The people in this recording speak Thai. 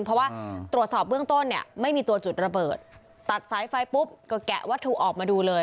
เพราะว่าตรวจสอบเบื้องต้นเนี่ยไม่มีตัวจุดระเบิดตัดสายไฟปุ๊บก็แกะวัตถุออกมาดูเลย